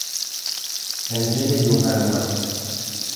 انجیل یوحنا